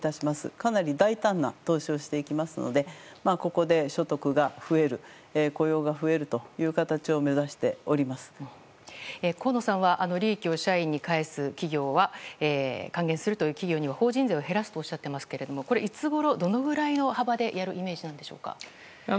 かなり大胆な投資をしていきますのでここで所得が増える雇用が増えるという形を河野さんは利益を社員に返す企業は、還元するという企業に法人税を減らすとおっしゃっていますが、これはいつごろ、どのぐらいの幅でやるイメージでしょうか？